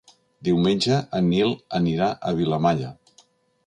Diumenge en Nil anirà a Vilamalla.